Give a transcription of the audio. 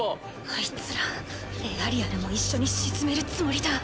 あいつらエアリアルも一緒に沈めるつもりだ。